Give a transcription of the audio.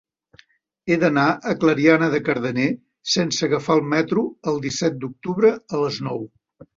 He d'anar a Clariana de Cardener sense agafar el metro el disset d'octubre a les nou.